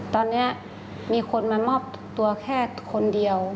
ตอนนี้มีคนมามอบตัวแค่คนเดียว